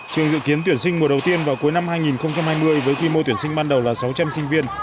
trường dự kiến tuyển sinh mùa đầu tiên vào cuối năm hai nghìn hai mươi với quy mô tuyển sinh ban đầu là sáu trăm linh sinh viên